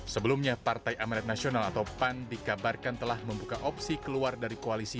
sebelumnya partai amanat nasional atau pan dikabarkan telah membuka opsi keluar dari koalisi